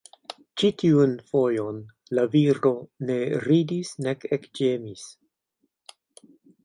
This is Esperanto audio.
Ĉi tiun fojon la viro ne ridis nek ekĝemis.